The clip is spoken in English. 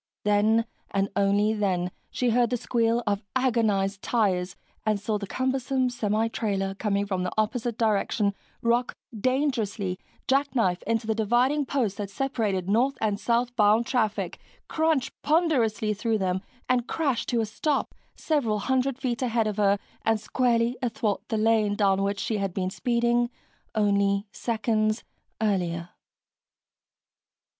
Then, and only then, she heard the squeal of agonized tires and saw the cumbersome semitrailer coming from the opposite direction rock dangerously, jackknife into the dividing posts that separated north and south bound traffic, crunch ponderously through them, and crash to a stop, several hundred feet ahead of her and squarely athwart the lane down which she had been speeding only seconds earlier.